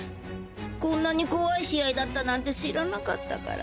こんなに怖い試合だったなんて知らなかったから。